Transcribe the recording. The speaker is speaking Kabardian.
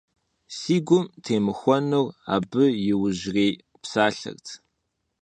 Си гум темыхуэнур абы и иужьрей псалъэрт.